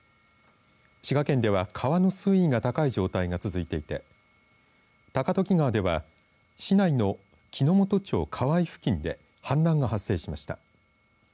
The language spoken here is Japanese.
滋賀県では川の水位が高い状態が続いていて高時川では市内の木之本町川合付近で氾濫が発生しました。